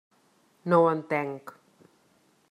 No ho entenc.